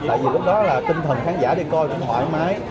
tại vì lúc đó là tinh thần khán giả đi coi cũng thoải mái